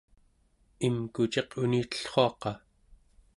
imkuciq unitellruaqa